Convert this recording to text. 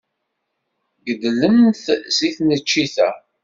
Gedlen-t seg tneččit-a.